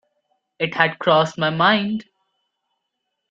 It had crossed my mind.